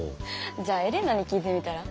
じゃあエレナに聞いてみたら？